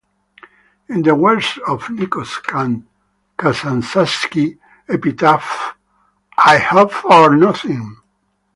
In the words of Nikos Kazantzakis' epitaph: I hope for nothing.